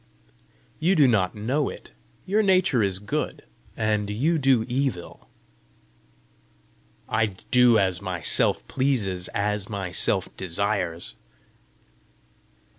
"You do not know it: your nature is good, and you do evil!" "I will do as my Self pleases as my Self desires."